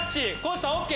地さんＯＫ！